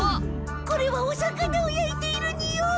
これはお魚をやいているにおい！